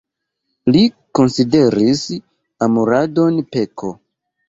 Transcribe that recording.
Li konsideris amoradon peko.